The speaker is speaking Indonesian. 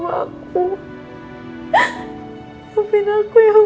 harusnya aku dikelin aku ya bu